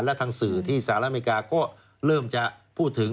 และทางสื่อที่สหรัฐอเมริกาก็เริ่มจะพูดถึง